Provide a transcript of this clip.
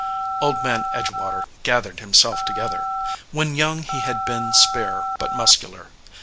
Old Man Edgewater gathered himself together. When young he had been spare but muscular.